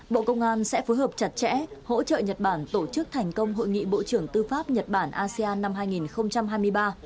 bộ công an sẽ phối hợp chặt chẽ hỗ trợ nhật bản tổ chức thành công hội nghị bộ trưởng tư pháp nhật bản asean năm hai nghìn hai mươi ba